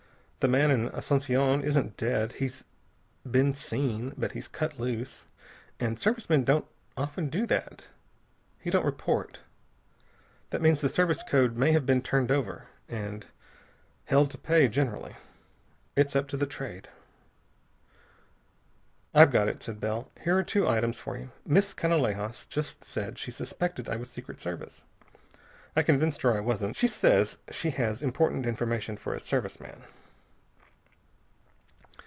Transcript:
The man in Asunción isn't dead he's been seen but he's cut loose. And Service men don't often do that. He don't report. That means the Service code may have been turned over, and hell to pay generally. It's up to the Trade." "I've got it," said Bell. "Here are two items for you. Miss Canalejas just said she suspected I was Secret Service. I convinced her I wasn't. She says she has important information for a Service man."